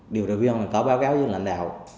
điều trợ viên có báo cáo với lãnh đạo